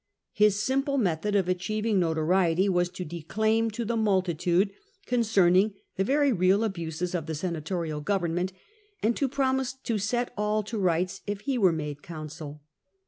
His simple method of achieving notoriety was to declaim to the multitude concerning the very real abuses of the senatorial government, and to promise to set all to rights if he were made consul.